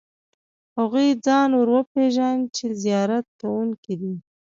هغوی ځان ور وپېژاند چې زیارت کوونکي دي.